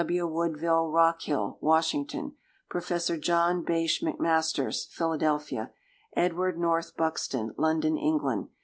W. Woodville Rockhill, Washington. Prof. John Bache MacMasters, Philadelphia. Edward North Buxton, London, England.